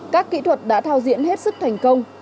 các kỹ thuật đã thao diễn hết sức thành công